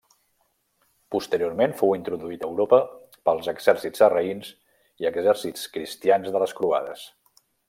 Posteriorment, fou introduït a Europa pels exèrcits sarraïns i exèrcits cristians de les croades.